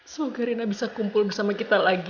semoga reyna bisa berkumpul bersama kita lagi